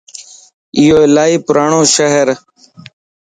ايو الائي پراڻو شھر